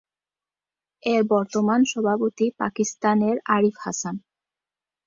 এর বর্তমান সভাপতি পাকিস্তানের আরিফ হাসান।